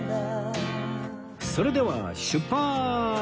それでは出発！